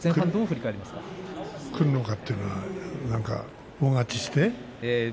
くるのかというのは何か大勝ちして？